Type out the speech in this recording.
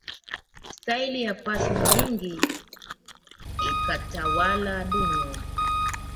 staili ya pasi nyingi ikatawala duniani